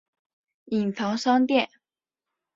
隐藏商店